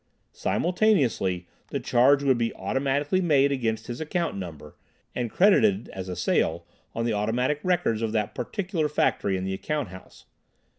Simultaneously the charge would be automatically made against his account number, and credited as a sale on the automatic records of that particular factory in the account house.